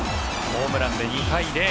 ホームランで２対０。